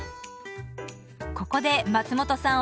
ここで松本さん